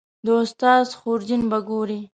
د استاد خورجین به ګورې